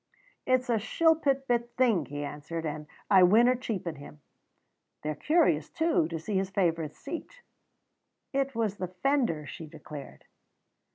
"It's a shilpit bit thing," he answered, "and I winna cheapen him. They're curious, too, to see his favourite seat." "It was the fender," she declared.